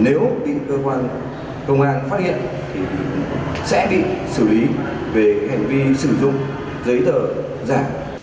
nếu bị cơ quan công an phát hiện thì sẽ bị xử lý về hành vi sử dụng giấy tờ giả